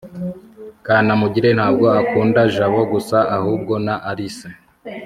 kanamugire ntabwo akunda jabo gusa ahubwo na alice